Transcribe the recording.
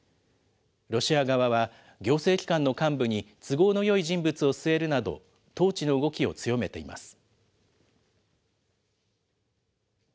ロシア側は、行政機関の幹部に都合のよい人物を据えるなど、統治の動きを強めています。